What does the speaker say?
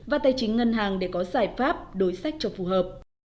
và tài chính ngân hàng để có giải pháp đối sách cho phù hợp